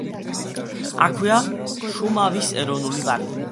აქვეა შუმავის ეროვნული პარკი.